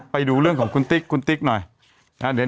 ไปดูเรื่องของคุณติ๊กคุณติ๊กหน่อยนะฮะ